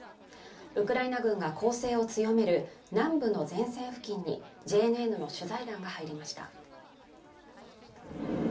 ウクライナ軍が攻勢を強める南部の前線付近にＪＮＮの取材団が入りました。